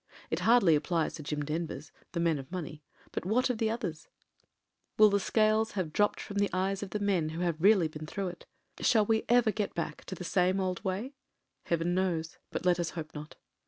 It hardly ap plies to the Jim Denvers — ^the men of money : but what of the others ? Will the scales have dropped irom the eyes of the men who have really been through it? Shall we ever get back to the same old way? Heaven knows — but let us hope not.